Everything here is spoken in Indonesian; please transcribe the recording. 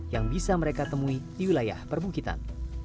yang bisa mereka temui di wilayah perbukitan